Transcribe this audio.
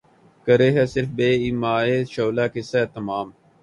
کرے ہے صِرف بہ ایمائے شعلہ قصہ تمام